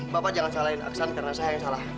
bapak jangan salahin aksan karena saya yang salah